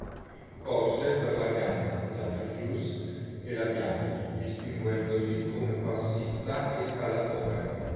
Corse per la Ganna, la Frejus e la Bianchi, distinguendosi come passista e scalatore.